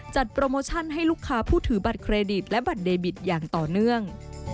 โปรโมชั่นให้ลูกค้าผู้ถือบัตรเครดิตและบัตรเดบิตอย่างต่อเนื่อง